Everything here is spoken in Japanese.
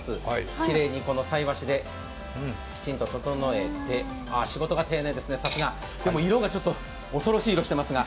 きれいに菜箸できちんと整えてさすが、仕事が丁寧ですがでも、色が恐ろしい色をしていますが。